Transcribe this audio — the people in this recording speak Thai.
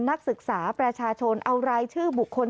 นักศึกษาประชาชนเอารายชื่อบุคคล